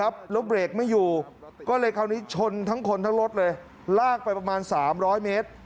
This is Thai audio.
แล้วเบรกไม่อยู่ก็เลยคราวนี้ชนทั้งคนทั้งรถเลยลากไปประมาณ๓๐๐เมตร